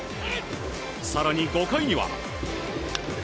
更に５回には。